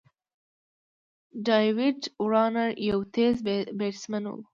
داويد وارنر یو تېز بېټسمېن دئ.